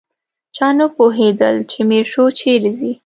چا نه پوهېدل چې میرشو چیرې ځي.